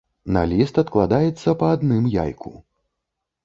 На ліст адкладаецца па адным яйку.